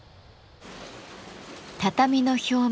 畳の表面